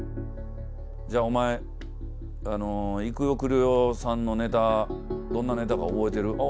「じゃあお前いくよ・くるよさんのネタどんなネタか覚えてる？」